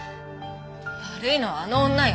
悪いのはあの女よ。